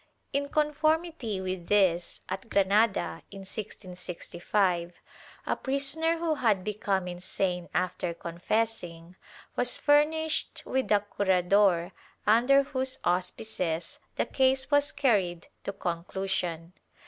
^ In conformity with this, at Granada, in 1665, a prisoner who had become insane after confessing, was furnished with a curador under whose auspices the case was carried to conclusion.